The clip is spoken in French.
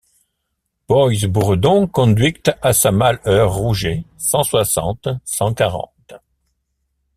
Boys-Bourredon conduict à sa male heure Rouget cent soixante cent quarante.